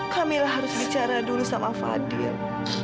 kamilah harus bicara dulu sama fadil